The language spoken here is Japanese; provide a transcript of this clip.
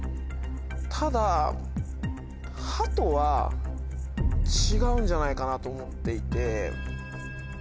ただハトは違うんじゃないかなと思っていて。